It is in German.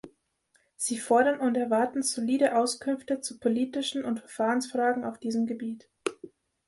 Sie fordern und erwarten solide Auskünfte zu politischen und Verfahrensfragen auf diesem Gebiet.